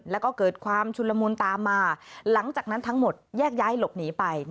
แล้วก็เกิดความชุนละมุนตามมาหลังจากนั้นทั้งหมดแยกย้ายหลบหนีไป